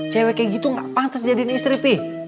cewek kayak gitu nggak pantas jadiin istri pi